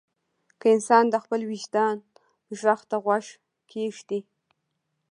که انسان د خپل وجدان غږ ته غوږ کېږدي.